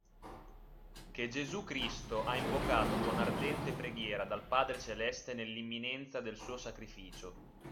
Che Gesù Cristo ha invocato con ardente preghiera dal Padre celeste nell’imminenza del suo sacrificio.